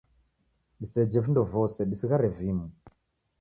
Disejhe vindo vose, disighare vimu.